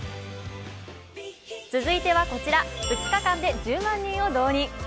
続いてはこちら、２日間で１０万人を動員。